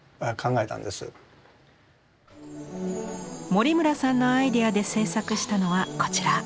森村さんのアイデアで制作したのはこちら。